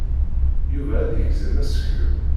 Yuba ad yegzem aseklu.